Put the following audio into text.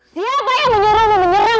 siapa yang menyerang menyerang